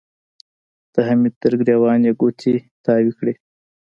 د حميد تر ګرېوان يې ګوتې تاوې کړې.